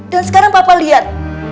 dan sekarang papa lihat